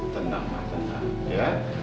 tenang ma tenang ya